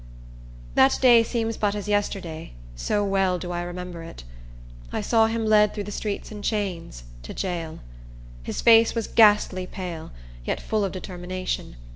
That day seems but as yesterday, so well do I remember it. I saw him led through the streets in chains, to jail. His face was ghastly pale, yet full of determination.